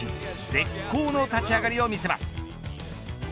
絶好の立ち上がりを見せます。